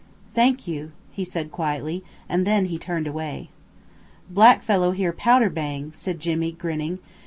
"Thank you!" he said quietly, and then he turned away. "Black fellow hear powder bang," said Jimmy, grinning.